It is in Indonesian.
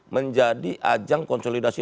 menjadi ajang konsolidasi